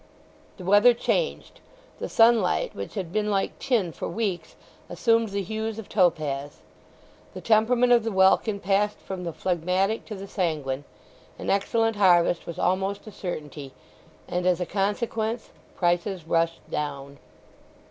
The weather changed; the sunlight, which had been like tin for weeks, assumed the hues of topaz. The temperament of the welkin passed from the phlegmatic to the sanguine; an excellent harvest was almost a certainty; and as a consequence prices rushed down.